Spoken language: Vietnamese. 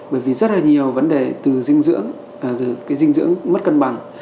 bởi vì rất là nhiều vấn đề từ dinh dưỡng cái dinh dưỡng mất cân bằng